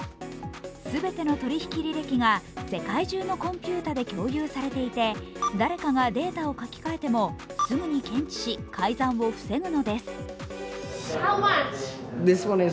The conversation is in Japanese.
全ての取引履歴が世界中のコンピューターで共有されていて誰かがデータを書き換えてもすぐに検知し、改ざんを防ぐのです。